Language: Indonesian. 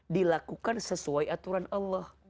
dilakukan sesuai aturan allah